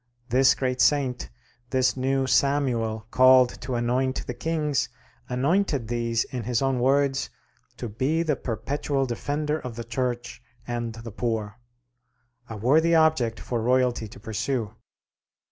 This great saint, this new Samuel called to anoint the kings, anointed these, in his own words, "to be the perpetual defender of the Church and the poor": a worthy object for royalty to pursue.